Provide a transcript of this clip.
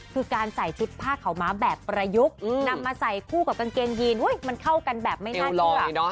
คือการใส่ชุดผ้าขาวม้าแบบประยุกต์นำมาใส่คู่กับกางเกงยีนมันเข้ากันแบบไม่น่าเชื่อ